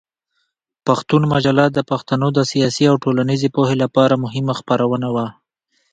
پښتون مجله د پښتنو د سیاسي او ټولنیزې پوهې لپاره مهمه خپرونه وه.